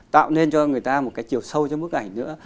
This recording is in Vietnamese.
tạo nên cho người ta một cái chiều sâu trong bức ảnh nữa